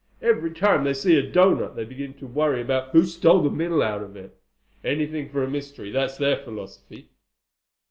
"Every time they see a doughnut they begin to worry about who stole the middle out of it. Anything for a mystery—that's their philosophy."